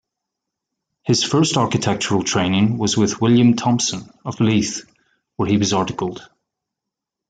His first architectural training was with William Thomson of Leith, where he was articled.